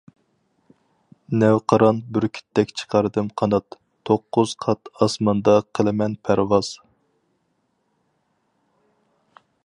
نەۋقىران بۈركۈتتەك چىقاردىم قانات، توققۇز قات ئاسماندا قىلىمەن پەرۋاز.